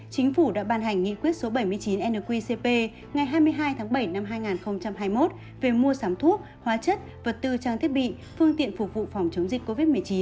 chính phủ đã ban hành nghị quyết số bảy mươi chín nqcp ngày hai mươi hai tháng bảy năm hai nghìn hai mươi một về mua sắm thuốc hóa chất vật tư trang thiết bị phương tiện phục vụ phòng chống dịch covid một mươi chín